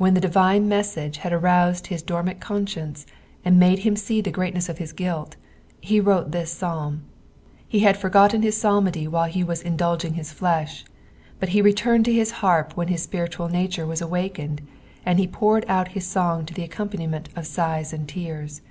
Whtn the divine message had arouMtl his dormant conscience and nuide him see the greatness i^kis guiil. he inroie this Fsalm. He had forgotten his psalmody while he aas indulging his flesh, but he relumed to his harp uhen his spirilutU nature was amakened, and he poured out his son/j to the accompanitneni of sighs and tears.